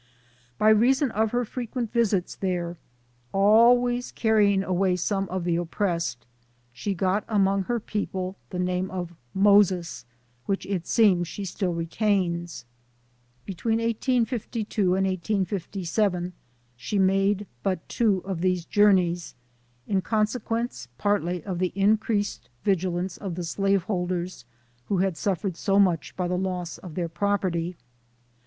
By reason of her frequent visits there, al ways carrying away some of the oppressed, she got among her people the name of ' Moses,' which it seems she still retains. LIFE OF HARRIET Tt'BMAN. 79 "Between 1852 and 1857, she made but two of these journeys, in consequence partly of the in creased vigilance of the slaveholders, who had suf fered so much by the loss of their property.